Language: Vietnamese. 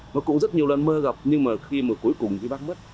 mà cụ rất nhiều lần mơ gặp nhưng mà khi mà cuối cùng cái bác mất